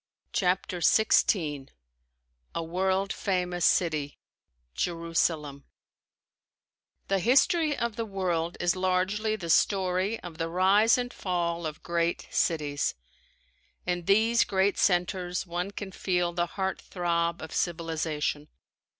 CHAPTER XVI A WORLD FAMOUS CITY JERUSALEM The history of the world is largely the story of the rise and fall of great cities. In these great centers one can feel the heart throb of civilization.